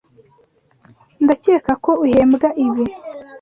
Ndakeka ko uhembwa ibi.